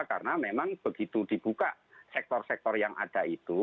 karena memang begitu dibuka sektor sektor yang ada itu